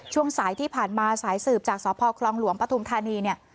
ช่วงสายที่ผ่านมาสายสืบจากสพคประธุมธรรมนี